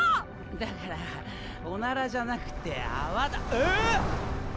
だからオナラじゃなくて泡だええ！？